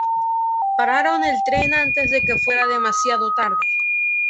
Pararon el tren antes de que fuera demasiado tarde.